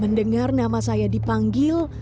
mendengar nama saya dipanggil